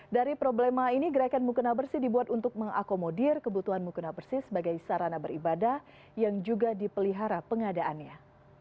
dari problema ini gerakan mukena bersih dibuat untuk mengakomodir kebutuhan mukena bersih sebagai sarana beribadah yang juga dipelihara pengadaannya